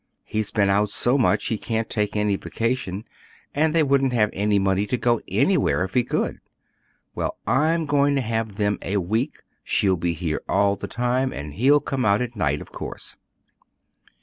He's been out so much he can't take any vacation, and they wouldn't have any money to go anywhere if he could. Well, I'm going to have them a week. She'll be here all the time, and he'll come out at night, of course.